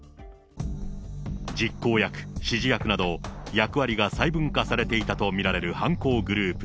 実行役、指示役など、役割が細分化されていたと見られる犯行グループ。